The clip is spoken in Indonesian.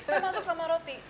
termasuk sama roti